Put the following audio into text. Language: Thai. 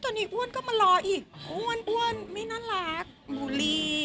ตอนนี้อ้วนก็มารออีกอ้วนไม่น่ารักบูลลี่